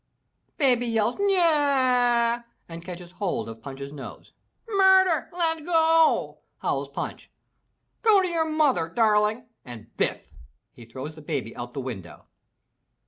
Baby yells "Ya a ah!" and catches hold of Punch's nose. "Murder! Let go!" howls Punch. "Go to your mother, darling," — and Biff! he throws the baby out the window.